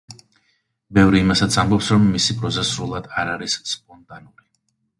ბევრი იმასაც ამბობს, რომ მისი პროზა სულად არ არის სპონტანური.